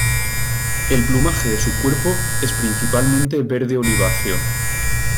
El plumaje de su cuerpo es principalmente verde oliváceo.